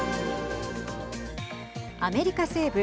アメリカ西部